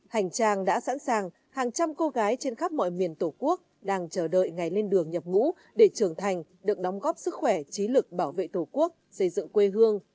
hành trang đã sẵn sàng hàng trăm cô gái trên khắp mọi miền tổ quốc đang chờ đợi ngày lên đường nhập ngũ để trưởng thành được đóng góp sức khỏe trí lực bảo vệ tổ quốc xây dựng quê hương